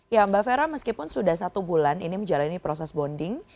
ya mbak vera meskipun sudah satu bulan ini menjalani proses bonding